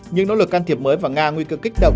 những nỗ lực can thiệp mới và nga nguy cơ kích động